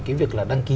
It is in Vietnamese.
cái việc là đăng ký